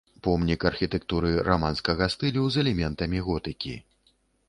Помнік архітэктуры раманскага стылю з элементамі готыкі.